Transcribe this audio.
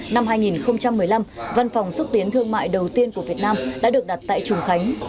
năm hai nghìn một mươi năm văn phòng xúc tiến thương mại đầu tiên của việt nam đã được đặt tại trùng khánh